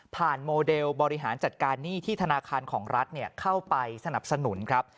โมเดลบริหารจัดการหนี้ที่ธนาคารของรัฐเข้าไปสนับสนุนครับ